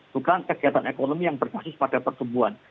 bukan kegiatan ekonomi yang berbasis pada pertumbuhan